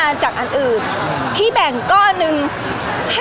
พี่ตอบได้แค่นี้จริงค่ะ